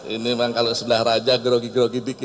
ini memang kalau sebelah raja grogi grogi bikin